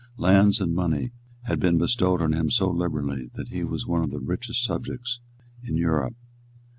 Lands and money had been bestowed on him so liberally that he was one of the richest subjects in Europe.